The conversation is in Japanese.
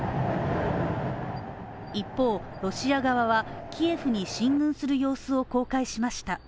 一方、ロシア側はキエフに進軍する様子を公開しました。